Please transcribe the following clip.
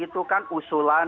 itu kan usulan dan